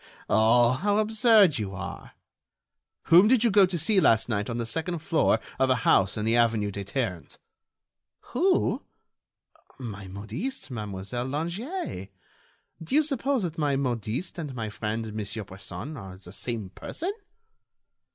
Oh! how absurd you are!" "Whom did you go to see last night on the second floor of a house in the avenue des Ternes?" "Who? My modiste, Mademoiselle Langeais. Do you suppose that my modiste and my friend Monsieur Bresson are the same person?"